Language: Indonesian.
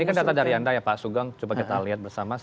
ini kan data dari anda ya pak sugeng coba kita lihat bersama